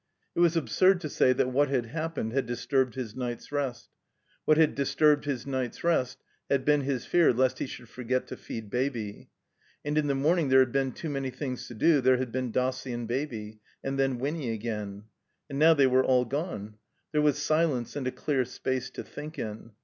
It was absurd to say that what had happened had disturbed his night's rest. What had disturbed his night's rest had been his fear lest he should forget to feed Baby. And in the morning there had been too many things to do, there had been Dossie and Baby. Aiid then Winny again. And now they were all gone. There was silence and a clear space to think in.